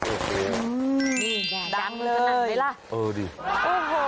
โอเคอ่ะดรรดรรดรรรอื้อนี่แย่ดังเงินขนาดไหนล่ะเออดิ